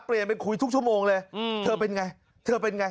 เปลี่ยนไปคุยทุกชั่วโมงเลยเธอเป็นไงเธอเป็นไง